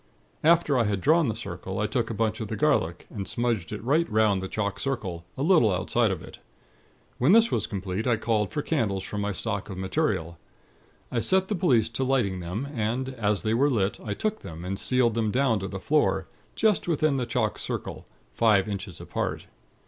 "After I had drawn the circle, I took a bunch of the garlic, and smudged it right 'round the chalk circle, a little outside of it. When this was complete, I called for candles from my stock of material. I set the police to lighting them, and as they were lit, I took them, and sealed them down on the floor, just within the chalk circle, five inches apart.